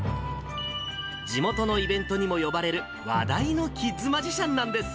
地元のイベントにも呼ばれる、話題のキッズマジシャンなんです。